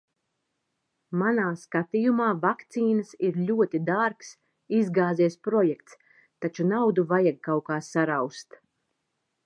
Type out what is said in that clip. Manā skatījumā vakcīnas ir ļoti dārgs izgāzies projekts, taču naudu vajag kaut kā saraust...